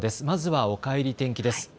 まずはおかえり天気です。